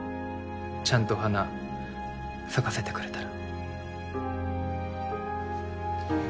ちゃんと花咲かせてくれたら。